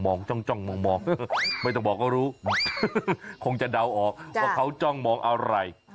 จ้องมองไม่ต้องบอกก็รู้คงจะเดาออกว่าเขาจ้องมองอะไร